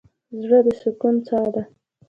زړه د سکون څاه ده.